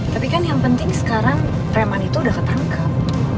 tapi kan yang penting sekarang preman itu udah ketangkap